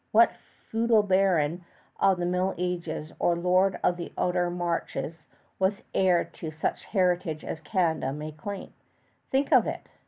What feudal baron of the Middle Ages, or Lord of the Outer Marches, was heir to such heritage as Canada may claim? Think of it!